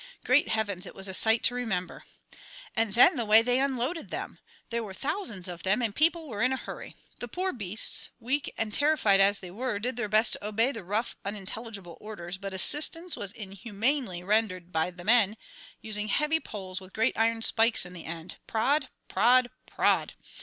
Great heavens, it was a sight to remember! "And then the way they unloaded them! There were thousands of them, and people were in a hurry. The poor beasts, weak and terrified as they were, did their best to obey the rough, unintelligible orders, but assistance (?) was inhumanly rendered by the men using heavy poles with great iron spikes in the end. Prod, prod, prod!